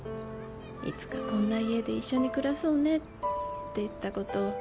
「いつかこんな家で一緒に暮らそうねって言ったことを」